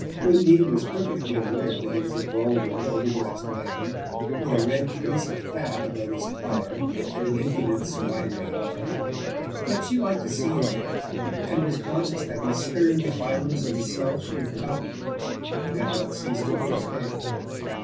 Undine was perfectly aware that he was a vulgar over dressed man, with a red crease of fat above his collar and an impudent swaggering eye; yet she liked to see him there, and was conscious that he stirred the fibres of a self she had forgotten but had not ceased to understand.